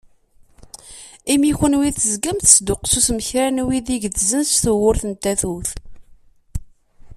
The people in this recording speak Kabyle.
Imi kunwi tezgam tesduqsusem kra n wid igedzen s tewwurt n tatut.